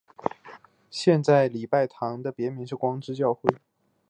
现在礼拜堂的别名是光之教会。